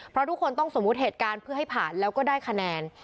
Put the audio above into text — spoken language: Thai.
เพราะทุกคนต้องสมมุติเหตุการณ์เพื่อให้ผ่านแล้วก็ได้คะแนน